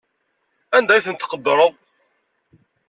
Anda ay ten-tqeddreḍ?